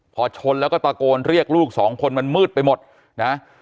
พอชนแล้วก็ตะโกนเรียกลูกสองคนมันมืดไปหมดนะ